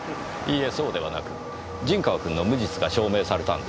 いいえそうではなく陣川君の無実が証明されたんですよ？